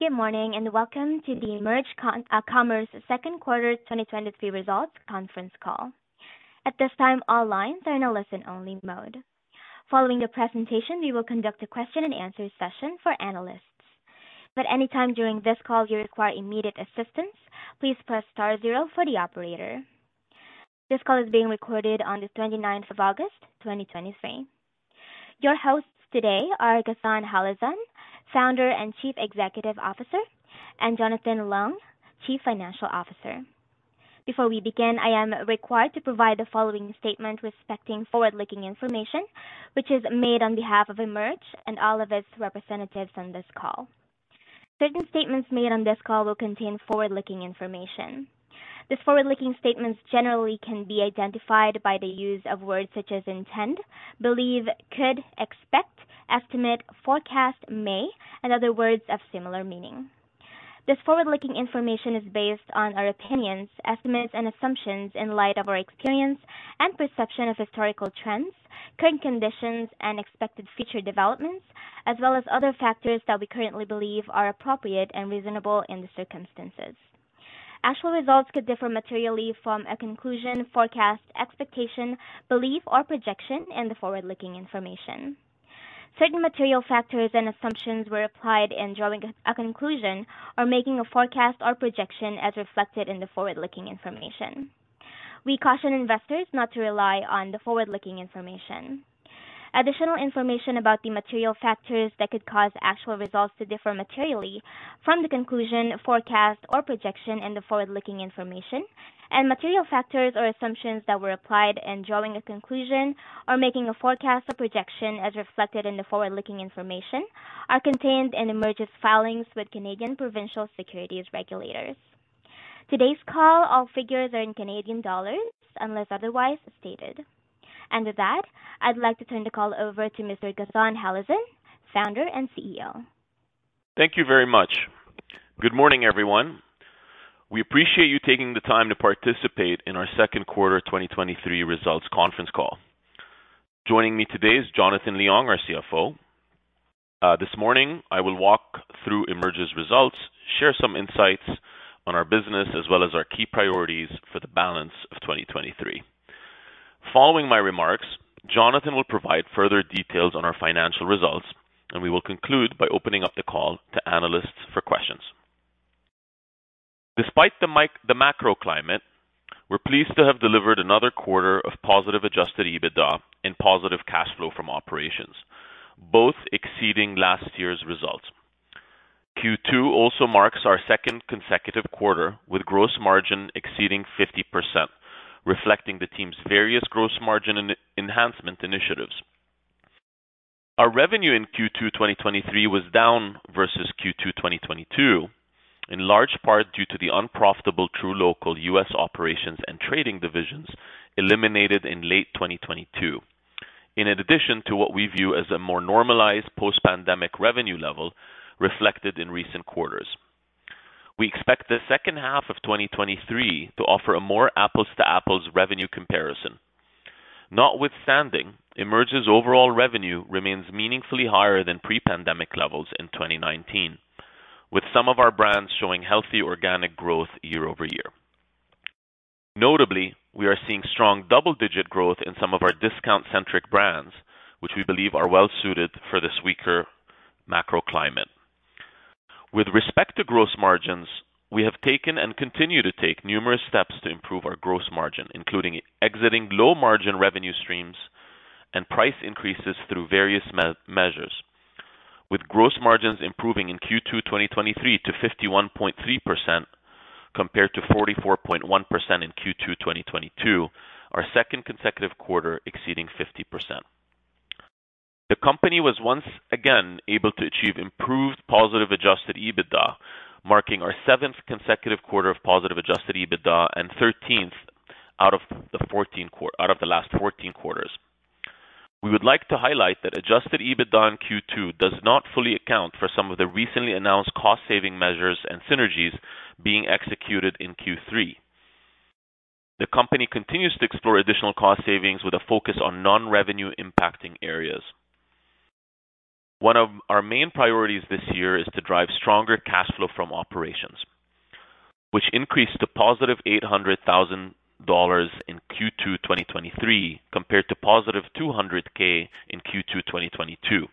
Good morning, and welcome to the EMERGE Commerce Q2 2023 Results Conference Call. At this time, all lines are in a listen-only mode. Following the presentation, we will conduct a question and answer session for analysts. But anytime during this call you require immediate assistance, please press star zero for the operator. This call is being recorded on the twenty-ninth of August, 2023. Your hosts today are Ghassan Halazon, Founder and Chief Executive Officer, and Jonathan Leong, Chief Financial Officer. Before we begin, I am required to provide the following statement respecting forward-looking information, which is made on behalf of EMERGE and all of its representatives on this call. Certain statements made on this call will contain forward-looking information. These forward-looking statements generally can be identified by the use of words such as intend, believe, could, expect, estimate, forecast, may, and other words of similar meaning. This forward-looking information is based on our opinions, estimates, and assumptions in light of our experience and perception of historical trends, current conditions, and expected future developments, as well as other factors that we currently believe are appropriate and reasonable in the circumstances. Actual results could differ materially from a conclusion, forecast, expectation, belief, or projection in the forward-looking information. Certain material factors and assumptions were applied in drawing a conclusion or making a forecast or projection as reflected in the forward-looking information. We caution investors not to rely on the forward-looking information. Additional information about the material factors that could cause actual results to differ materially from the conclusion, forecast, or projection in the forward-looking information, and material factors or assumptions that were applied in drawing a conclusion or making a forecast or projection as reflected in the forward-looking information, are contained in EMERGE's filings with Canadian provincial securities regulators. Today's call, all figures are in Canadian dollars, unless otherwise stated. With that, I'd like to turn the call over to Mr. Ghassan Halazon, Founder and CEO. Thank you very much. Good morning, everyone. We appreciate you taking the time to participate in our Q2 2023 results conference call. Joining me today is Jonathan Leong, our CFO. This morning, I will walk through EMERGE's results, share some insights on our business, as well as our key priorities for the balance of 2023. Following my remarks, Jonathan will provide further details on our financial results, and we will conclude by opening up the call to analysts for questions. Despite the macro climate, we're pleased to have delivered another quarter of positive Adjusted EBITDA and positive cash flow from operations, both exceeding last year's results. Q2 also marks our second consecutive quarter, with gross margin exceeding 50%, reflecting the team's various gross margin enhancement initiatives. Our revenue in Q2 2023 was down versus Q2 2022, in large part due to the unprofitable truLOCAL U.S. operations and trading divisions eliminated in late 2022, in addition to what we view as a more normalized post-pandemic revenue level reflected in recent quarters. We expect the H2 of 2023 to offer a more apples-to-apples revenue comparison. Notwithstanding, EMERGE's overall revenue remains meaningfully higher than pre-pandemic levels in 2019, with some of our brands showing healthy organic growth year-over-year. Notably, we are seeing strong double-digit growth in some of our discount-centric brands, which we believe are well suited for this weaker macro climate. With respect to gross margins, we have taken and continue to take numerous steps to improve our gross margin, including exiting low-margin revenue streams and price increases through various measures, with gross margins improving in Q2 2023 to 51.3%, compared to 44.1% in Q2 2022, our second consecutive quarter exceeding 50%. The company was once again able to achieve improved positive Adjusted EBITDA, marking our seventh consecutive quarter of positive Adjusted EBITDA and 13th out of the last 14 quarters. We would like to highlight that Adjusted EBITDA in Q2 does not fully account for some of the recently announced cost-saving measures and synergies being executed in Q3. The company continues to explore additional cost savings with a focus on non-revenue impacting areas. One of our main priorities this year is to drive stronger cash flow from operations, which increased to positive 800,000 dollars in Q2 2023, compared to positive 200,000 in Q2 2022,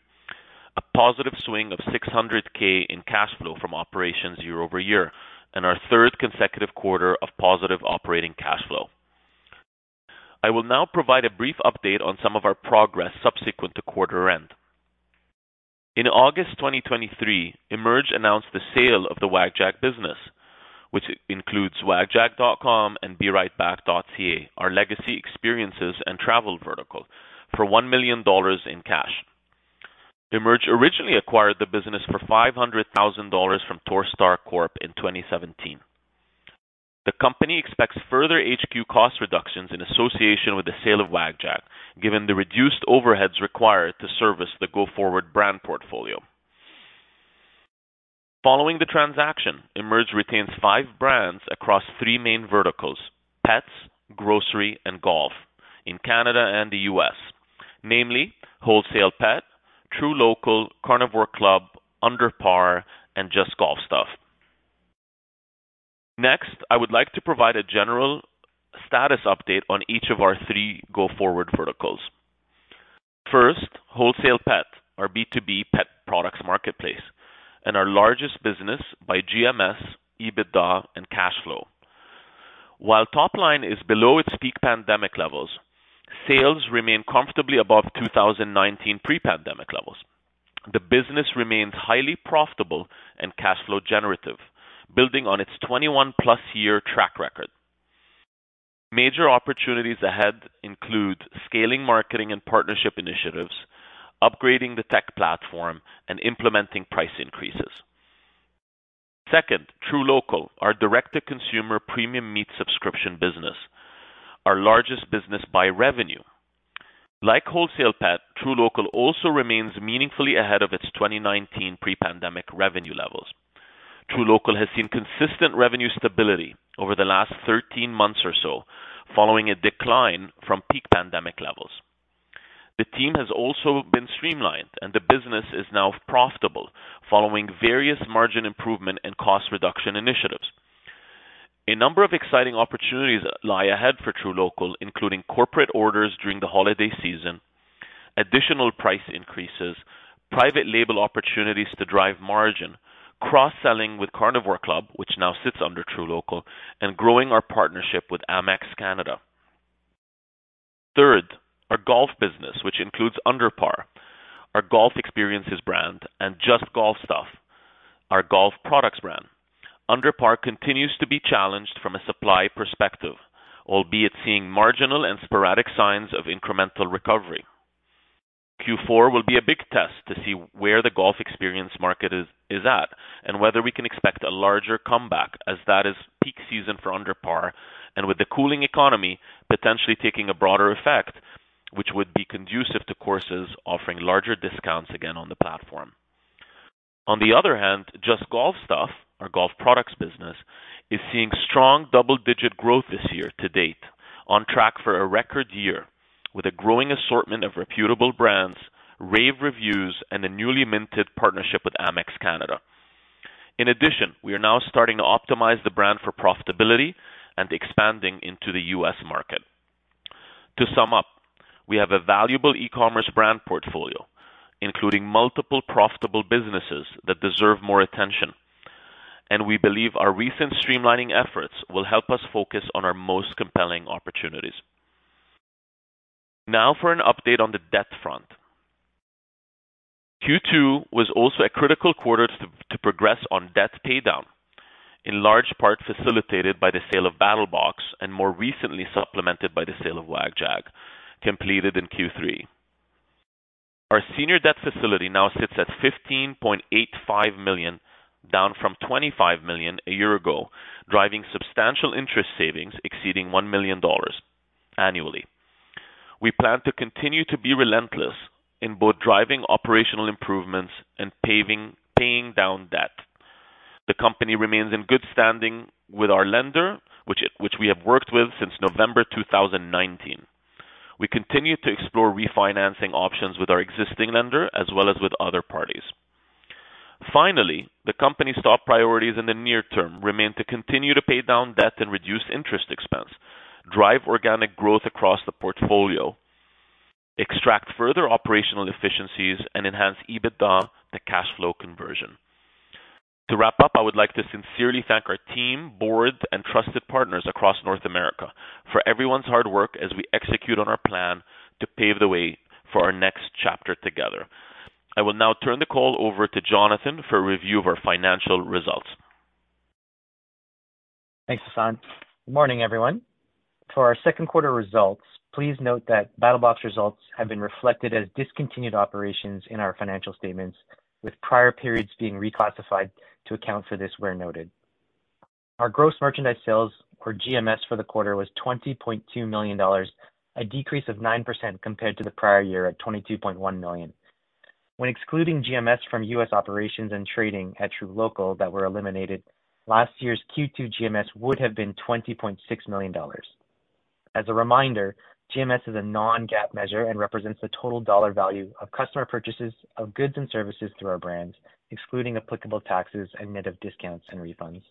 a positive swing of 600,000 in cash flow from operations year-over-year, and our third consecutive quarter of positive operating cash flow. I will now provide a brief update on some of our progress subsequent to quarter end. In August 2023, EMERGE announced the sale of the WagJag business, which includes WagJag.com and BeRightBack.ca, our legacy experiences and travel vertical, for one million dollars in cash. EMERGE originally acquired the business for 500,000 dollars from Torstar Corp. in 2017. The company expects further HQ cost reductions in association with the sale of WagJag, given the reduced overheads required to service the go-forward brand portfolio. Following the transaction-...retains five brands across three main verticals: pets, grocery, and golf in Canada and the U.S. Namely, WholesalePet, truLOCAL, Carnivore Club, UnderPar, and JustGolfStuff. Next, I would like to provide a general status update on each of our three go-forward verticals. First, WholesalePet, our B2B pet products marketplace, and our largest business by GMS, EBITDA, and cash flow. While top line is below its peak pandemic levels, sales remain comfortably above 2019 pre-pandemic levels. The business remains highly profitable and cash flow generative, building on its 21+ year track record. Major opportunities ahead include scaling marketing and partnership initiatives, upgrading the tech platform, and implementing price increases. Second, truLOCAL, our direct-to-consumer premium meat subscription business, our largest business by revenue. Like WholesalePet, truLOCAL also remains meaningfully ahead of its 2019 pre-pandemic revenue levels. truLOCAL has seen consistent revenue stability over the last 13 months or so, following a decline from peak pandemic levels. The team has also been streamlined, and the business is now profitable, following various margin improvement and cost reduction initiatives. A number of exciting opportunities lie ahead for truLOCAL, including corporate orders during the holiday season, additional price increases, private label opportunities to drive margin, cross-selling with Carnivore Club, which now sits under truLOCAL, and growing our partnership with Amex Canada. Third, our golf business, which includes UnderPar, our golf experiences brand, and JustGolfStuff, our golf products brand. UnderPar continues to be challenged from a supply perspective, albeit seeing marginal and sporadic signs of incremental recovery. Q4 will be a big test to see where the golf experience market is at, and whether we can expect a larger comeback as that is peak season for UnderPar, and with the cooling economy potentially taking a broader effect, which would be conducive to courses offering larger discounts again on the platform. On the other hand, JustGolfStuff, our golf products business, is seeing strong double-digit growth this year-to-date, on track for a record year with a growing assortment of reputable brands, rave reviews and a newly minted partnership with Amex Canada. In addition, we are now starting to optimize the brand for profitability and expanding into the U.S. market. To sum up, we have a valuable e-commerce brand portfolio, including multiple profitable businesses that deserve more attention, and we believe our recent streamlining efforts will help us focus on our most compelling opportunities. Now for an update on the debt front. Q2 was also a critical quarter to progress on debt paydown, in large part facilitated by the sale of BattlBox and more recently supplemented by the sale of WagJag, completed in Q3. Our senior debt facility now sits at 15.85 million, down from 25 million a year ago, driving substantial interest savings exceeding one million dollars annually. We plan to continue to be relentless in both driving operational improvements and paying down debt. The company remains in good standing with our lender, which we have worked with since November 2019. We continue to explore refinancing options with our existing lender as well as with other parties. Finally, the company's top priorities in the near term remain to continue to pay down debt and reduce interest expense, drive organic growth across the portfolio, extract further operational efficiencies, and enhance EBITDA to cash flow conversion. To wrap up, I would like to sincerely thank our team, board, and trusted partners across North America for everyone's hard work as we execute on our plan to pave the way for our next chapter together. I will now turn the call over to Jonathan for a review of our financial results. Thanks, Ghassan. Good morning, everyone. For our Q2 results, please note that BattlBox results have been reflected as discontinued operations in our financial statements, with prior periods being reclassified to account for this where noted. Our gross merchandise sales, or GMS, for the quarter was 20.2 million dollars, a decrease of 9% compared to the prior year at 22.1 million. When excluding GMS from U.S. operations and trading at truLOCAL that were eliminated, last year's Q2 GMS would have been 20.6 million dollars. As a reminder, GMS is a non-GAAP measure and represents the total dollar value of customer purchases of goods and services through our brands, excluding applicable taxes and net of discounts and refunds.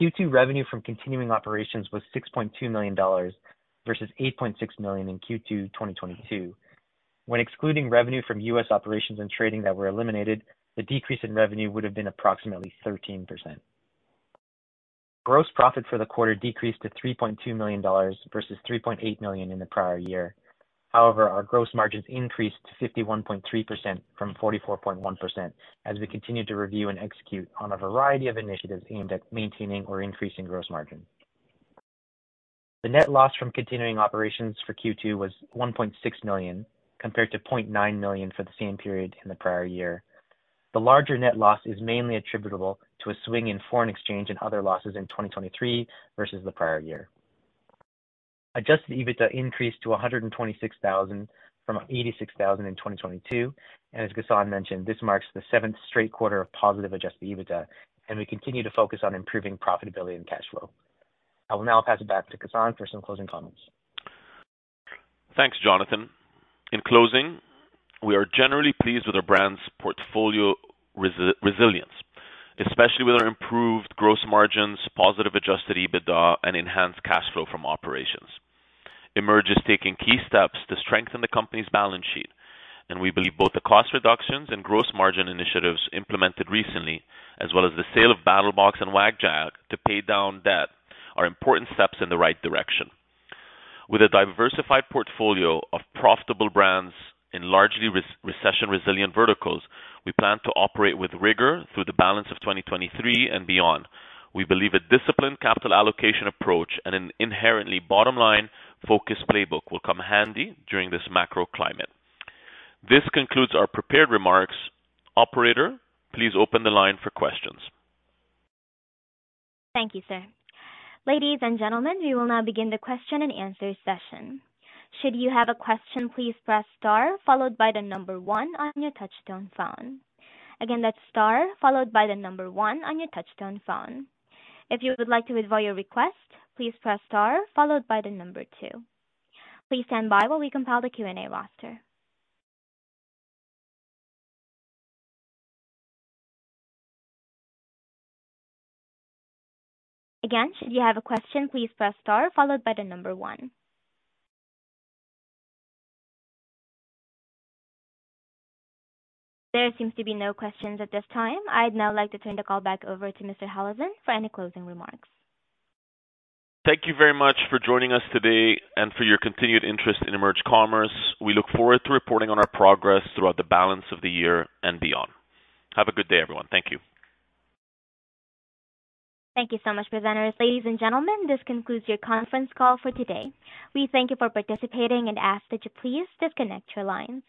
Q2 revenue from continuing operations was 6.2 million dollars, versus 8.6 million in Q2 2022. When excluding revenue from U.S. operations and trading that were eliminated, the decrease in revenue would have been approximately 13%. Gross profit for the quarter decreased to 3.2 million dollars versus 3.8 million in the prior year. However, our gross margins increased to 51.3% from 44.1% as we continued to review and execute on a variety of initiatives aimed at maintaining or increasing gross margin. The net loss from continuing operations for Q2 was 1.6 million, compared to 0.9 million for the same period in the prior year. The larger net loss is mainly attributable to a swing in foreign exchange and other losses in 2023 versus the prior year. Adjusted EBITDA increased to 126 thousand from 86 thousand in 2022, and as Ghassan mentioned, this marks the seventh straight quarter of positive Adjusted EBITDA, and we continue to focus on improving profitability and cash flow. I will now pass it back to Ghassan for some closing comments. Thanks, Jonathan. In closing, we are generally pleased with our brand's portfolio resilience, especially with our improved gross margins, positive Adjusted EBITDA, and enhanced cash flow from operations. EMERGE is taking key steps to strengthen the company's balance sheet, and we believe both the cost reductions and gross margin initiatives implemented recently, as well as the sale of BattlBox and WagJag to pay down debt, are important steps in the right direction. With a diversified portfolio of profitable brands in largely recession resilient verticals, we plan to operate with rigor through the balance of 2023 and beyond. We believe a disciplined capital allocation approach and an inherently bottom line focused playbook will come handy during this macro climate. This concludes our prepared remarks. Operator, please open the line for questions. Thank you, sir. Ladies and gentlemen, we will now begin the question and answer session. Should you have a question, please press star followed by the number one on your touch-tone phone. Again, that's star followed by the number one on your touch-tone phone. If you would like to withdraw your request, please press star followed by the number two. Please stand by while we compile the Q&A roster. Again, should you have a question, please press star followed by the number one. There seems to be no questions at this time. I'd now like to turn the call back over to Mr. Halazon for any closing remarks. Thank you very much for joining us today and for your continued interest in EMERGE Commerce. We look forward to reporting on our progress throughout the balance of the year and beyond. Have a good day, everyone. Thank you. Thank you so much, presenters. Ladies and gentlemen, this concludes your conference call for today. We thank you for participating and ask that you please disconnect your lines.